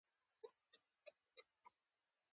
او ډېر خلک پرې را ټولېدای شي.